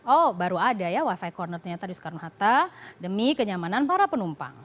oh baru ada ya wifi corner ternyata di soekarno hatta demi kenyamanan para penumpang